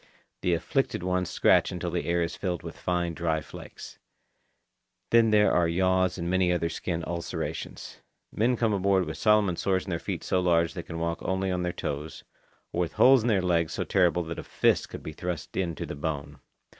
The afflicted ones scratch until the air is filled with fine dry flakes. Then there are yaws and many other skin ulcerations. Men come aboard with Solomon sores in their feet so large that they can walk only on their toes, or with holes in their legs so terrible that a fist could be thrust in to the bone.